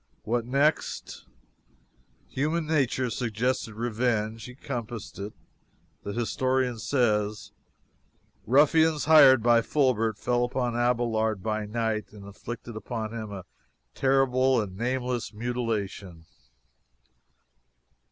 What next? Human nature suggested revenge. He compassed it. The historian says: "Ruffians, hired by Fulbert, fell upon Abelard by night, and inflicted upon him a terrible and nameless mutilation."